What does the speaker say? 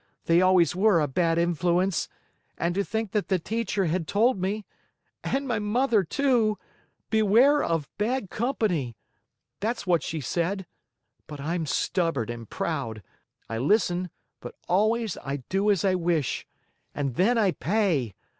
They always were a bad influence! And to think that the teacher had told me and my mother, too! 'Beware of bad company!' That's what she said. But I'm stubborn and proud. I listen, but always I do as I wish. And then I pay.